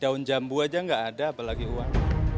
daun jambu aja nggak ada apalagi uang